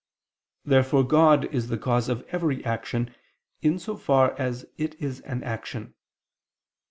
Therefore God is the cause of every action, in so far as it is an action.